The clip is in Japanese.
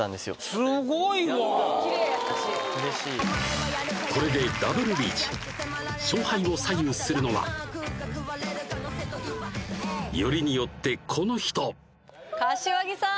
すごいわきれいやったしうれしいこれでダブルリーチ勝敗を左右するのはよりによってこの人柏木さん